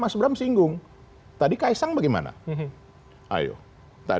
spesifikasi adalah sejak